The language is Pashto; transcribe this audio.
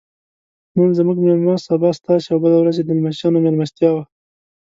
نن زموږ میلمه سبا ستاسې او بله ورځ یې د لمسیانو میلمستیا وه.